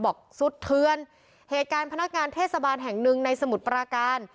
บอกสุดเทือนเหตุการณ์พนักงานเทศบาลแห่งหนึ่งในสมุทรปราการ